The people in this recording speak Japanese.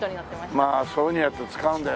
まあそういうふうにやって使うんだよな